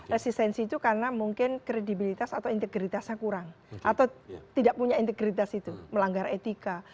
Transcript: resistensi itu karena mungkin kredibilitas atau integritasnya kurang atau tidak punya integritas itu melanggar etika